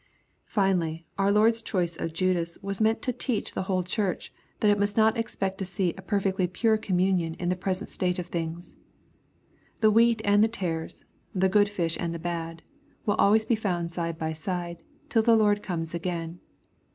Finally, our Lord's choice of Judas was meant to teach 174 EXP08IT0KY THOUGHTS. to teach the wbole churchy that it must not expect to see a perfectly pure communion in the present state of things. The wheat and the tares, — the good fish and the bad, — will always be found side by side, till the Lord comes again.